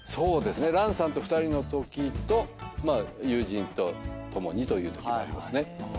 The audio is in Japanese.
蘭さんと２人のときとまあ友人と共にというときもありますね。